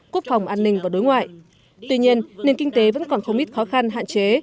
quốc phòng an ninh và đối ngoại tuy nhiên nền kinh tế vẫn còn không ít khó khăn hạn chế